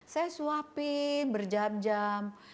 saya suapin berjam jam